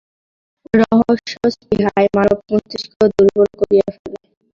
রহস্যস্পৃহাই মানব-মস্তিষ্ক দুর্বল করিয়া ফেলে।